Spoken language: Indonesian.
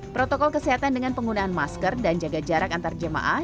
protokol kesehatan dengan penggunaan masker dan jaga jarak antar jemaah